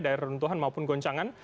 daerah runtuhan maupun goncangan